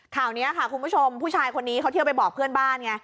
ข่าวนี้ค่ะคุณผู้ชมผู้ชายคนนี้เขาเที่ยวไปบอกเพื่อนบ้านไง